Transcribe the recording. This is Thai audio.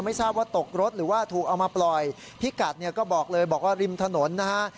ไม่ทราบว่าตกรถหรือว่าถูกเอามาปล่อยพี่กัดเนี่ยก็บอกเลยบอกว่าริมถนนนะฮะ